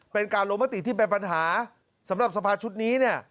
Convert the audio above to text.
เป็นการลงมติที่เป็นปัญหาสำหรับสภาชุดนี้เนี่ย